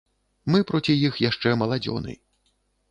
Мы проці іх яшчэ маладзёны.